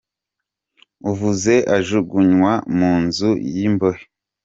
– Uvuze ajugunywa mu nzu y’imbohe ;